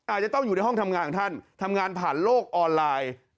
อาจจะต้องอยู่ในห้องทำงานของท่านทำงานผ่านโลกออนไลน์